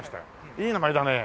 いい名前だねえ。